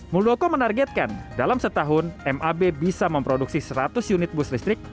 muldoko menargetkan dalam setahun mab bisa memproduksi seratus unit bus listrik